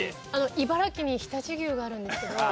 茨城に常陸牛があるんですけど。